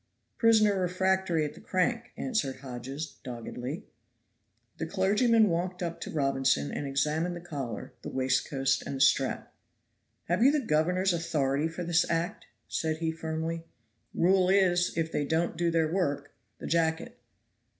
"Prisoner refractory at the crank," answered Hodges, doggedly. The clergyman walked up to Robinson and examined the collar, the waistcoat and the strap. "Have you the governor's authority for this act?" said he firmly. "Rule is if they won't do their work, the jacket."